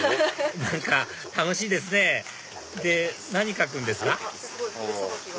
何か楽しいですねで何描くんですか？